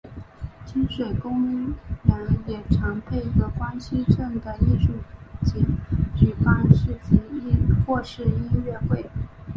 亲水公园也常配合关西镇的艺术节举办市集或是音乐会。